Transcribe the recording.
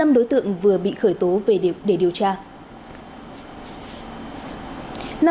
năm đối tượng vừa bị khởi tố về để điều tra